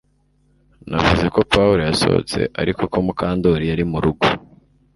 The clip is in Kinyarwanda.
Navuze ko Pawulo yasohotse ariko ko Mukandoli yari murugo